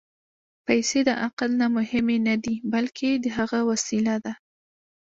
پېسې د عقل نه مهمې نه دي، بلکې د هغه وسیله ده.